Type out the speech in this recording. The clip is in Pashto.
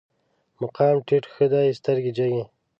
مقام ټيټ ښه دی، سترګې جګې